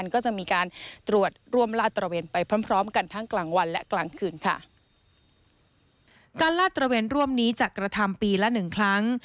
การลาดตระเวนร่วมนี้จะกระทำปีละ๑ครั้ง